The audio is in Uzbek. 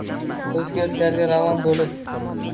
o‘zga yurtlarga ravona bo‘lib